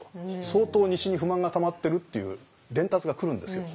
相当西に不満がたまってるっていう伝達が来るんですよ。